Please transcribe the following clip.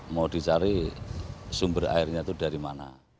mau dicari sumber airnya itu dari mana